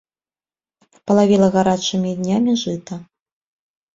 Палавела гарачымі днямі жыта.